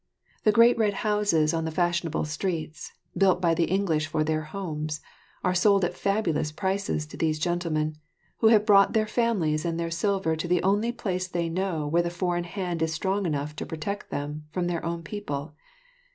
The great red houses on the fashionable streets, built by the English for their homes, are sold at fabulous prices to these gentlemen, who have brought their families and their silver to the only place they know where the foreign hand is strong enough to protect them from their own people.